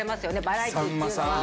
バラエティーっていうのは。